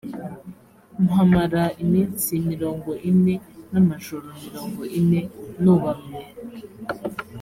mpamara iminsi mirongo ine n’amajoro mirongo ine nubamye.